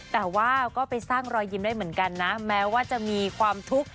แต่ว่าก็ไปสร้างรอยยิ้มได้เหมือนกันนะแม้ว่าจะมีความทุกข์